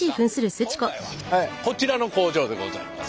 今回はこちらの工場でございます。